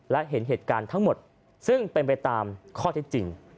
และเห็นเหตุการณ์ทั้งหมดซึ่งเป็นไปตามข้อเท็จจริง